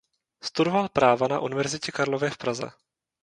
Studoval práva na Univerzitě Karlově v Praze.